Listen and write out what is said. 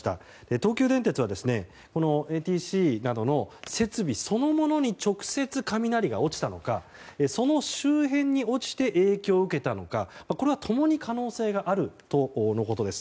東急電鉄はＡＴＣなどの設備そのものに直接雷が落ちたのかその周辺に落ちて影響を受けたのかこれは共に可能性があるとのことです。